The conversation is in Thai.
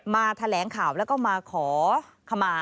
มาแถลงข่าวแล้วก็มาขอ